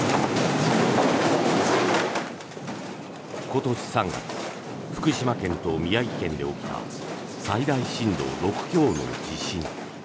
今年３月福島県と宮城県で起きた最大震度６強の地震。